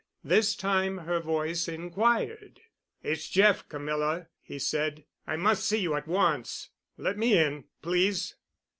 This time her voice inquired. "It's Jeff, Camilla," he said. "I must see you at once. Let me in, please."